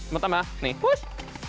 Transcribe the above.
mau tambah nih push